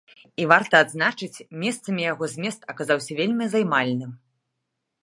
І, варта адзначыць, месцамі яго змест аказаўся вельмі займальным.